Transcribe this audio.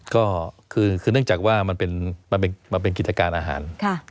ก็คือเนื่องจากว่ามันเป็นกิจการอาหาร